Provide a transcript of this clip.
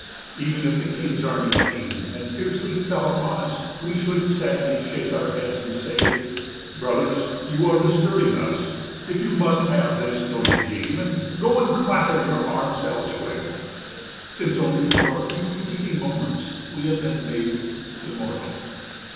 Even if the king's army came and fiercely fell upon us we should sadly shake our heads and say, Brothers, you are disturbing us. If you must have this noisy game, go and clatter your arms elsewhere. Since only for a few fleeting moments we have been made immortal.